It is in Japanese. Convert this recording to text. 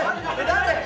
誰？